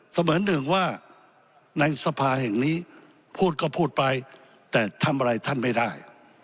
เสมือนหนึ่งว่าในสภาแห่งนี้พูดก็พูดไปแต่ทำอะไรท่านไม่ได้